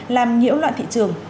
làm nhiễu loạn thị trường